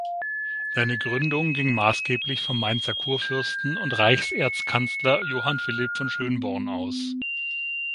Seine Gründung ging maßgeblich vom Mainzer Kurfürsten und Reichserzkanzler Johann Philipp von Schönborn aus.